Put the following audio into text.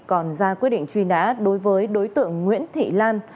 còn ra quyết định truy nã đối với đối tượng nguyễn thị lan